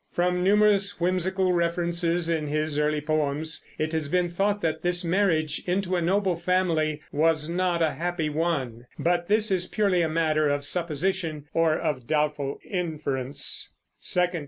From numerous whimsical references in his early poems, it has been thought that this marriage into a noble family was not a happy one; but this is purely a matter of supposition or of doubtful inference.